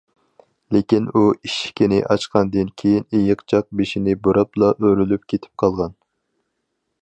لېكىن ئۇ ئىشىكنى ئاچقاندىن كېيىن ئېيىقچاق بېشىنى بۇراپلا ئۆرۈلۈپ كېتىپ قالغان.